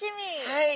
はい！